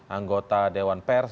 anggota dewan pers